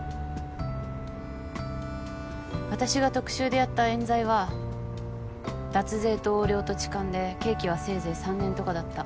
私が特集でやったえん罪は脱税と横領と痴漢で刑期はせいぜい３年とかだった。